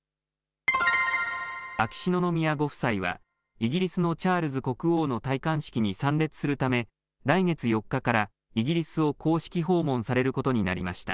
秋篠宮ご夫妻はイギリスのチャールズ国王の戴冠式に参列するため来月４日からイギリスを公式訪問されることになりました。